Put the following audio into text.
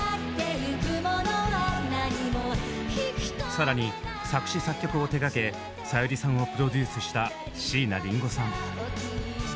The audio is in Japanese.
更に作詞作曲を手がけさゆりさんをプロデュースした椎名林檎さん。